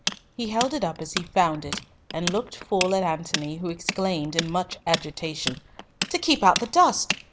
He held it up as he found it, and looked full at Antony, who exclaimed in much agitation, "To keep out the dust.